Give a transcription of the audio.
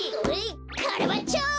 カラバッチョ！